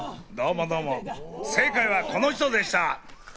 どうもどうも、正解はこの人でした！